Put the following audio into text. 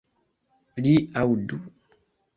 Li aŭdu!